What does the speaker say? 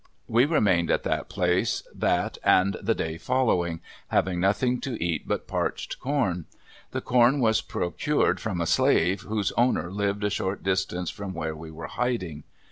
We remained at that place that and the day following, having nothing to eat but parched corn. The corn was procured from a slave whose owner lived a short distance from where we were hiding.